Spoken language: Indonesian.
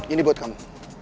ini buat kamu